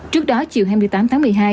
trước đó chiều hai mươi tám tháng một mươi hai